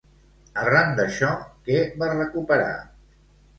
Arran d'això, què va recuperar?